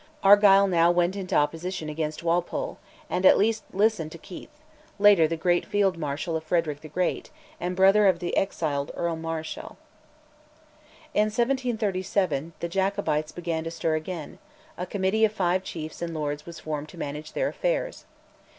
Argyll now went into opposition against Walpole, and, at least, listened to Keith later the great Field Marshal of Frederick the Great, and brother of the exiled Earl Marischal. In 1737 the Jacobites began to stir again: a committee of five Chiefs and Lords was formed to manage their affairs.